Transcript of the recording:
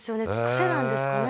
「癖なんですかね？